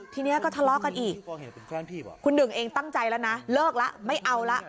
ทีนี้ก็ทะเลาะกันอีกคุณหนึ่งเองตั้งใจแล้วนะเลิกแล้วไม่เอาละ